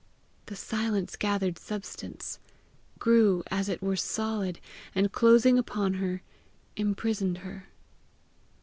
The silence gathered substance, grew as it were solid, and closing upon her, imprisoned her.